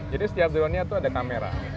jadi setiap drone nya itu ada kamera